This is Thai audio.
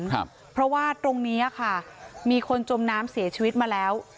ครับเพราะว่าตรงเนี้ยค่ะมีคนจมน้ำเสียชีวิตมาแล้ว